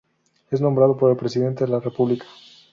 Es nombrado por el Presidente de la República.